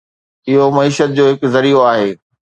اهو معيشت جو هڪ ذريعو آهي